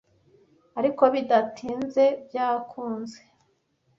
ariko bidatinze byankuze.